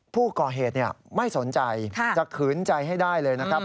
ผู้ก่อเหตุไม่สนใจจะขืนใจให้ได้เลยนะครับ